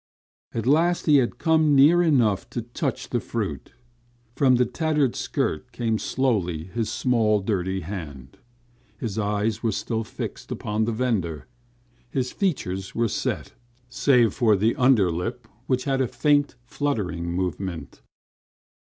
At last he had come near enough to touch the fruit. From the tattered skirt came slowly his small dirty hand. His eyes were still fixed upon the vendor. His features were set, save for the under lip, which had a faint fluttering movement.